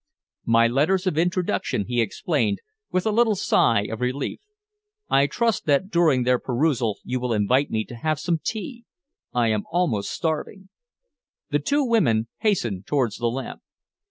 "My letters of introduction," he explained, with a little sigh of relief. "I trust that during their perusal you will invite me to have some tea. I am almost starving." The two women hastened towards the lamp.